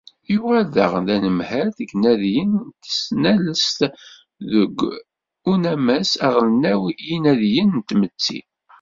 Yuɣal daɣen d anemhal deg yinadiyen n tesnalest deg Unammas Aɣelnaw n Yinadiyen n tmetti.